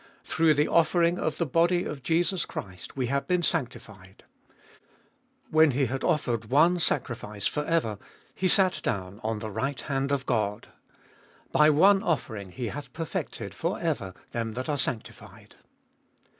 Through the offering of the body of Jesus Christ we have been sanctified. When He had offered one sacrifice for ever, He sat down on the right hand of God. By one offering He hath perfected for ever them that are sanctified.